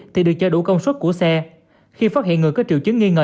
thì được cho đủ công suất của xe khi phát hiện người có triệu chứng nghi ngờ